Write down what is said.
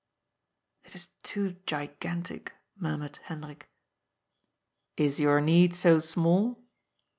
" It is too gigantic," murmured Hendrik. " Is your need so small